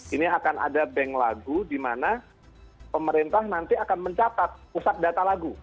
ini akan ada bank lagu di mana pemerintah nanti akan mencatat pusat data lagu